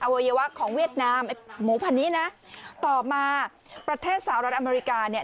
วัยวะของเวียดนามไอ้หมูพันนี้นะต่อมาประเทศสหรัฐอเมริกาเนี่ย